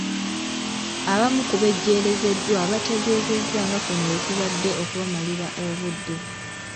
Abamu ku bejjerezeddwa bategeezezza nga kuno bwe kubadde okubamalira obudde.